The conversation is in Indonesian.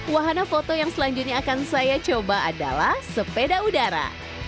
wahana foto yang selanjutnya akan saya coba adalah sepeda udara